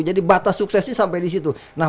jadi batas suksesnya sampai disitu nah